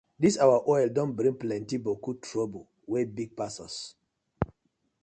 Dis our oil don bring plenti boku toruble wey big pass us.